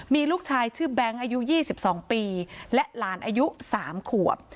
มีลูกชายชื่อแบงค์อายุ๒๒ปีและหลานอายุ๓ขวบ